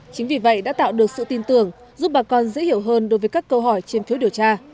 chính vì vậy đã tạo được sự tin tưởng giúp bà con dễ hiểu hơn đối với các câu hỏi trên phiếu điều tra